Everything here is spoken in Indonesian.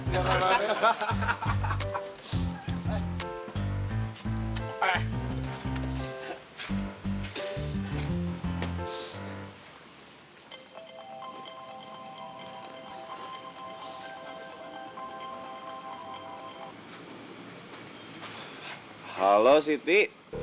nggak ada apa apa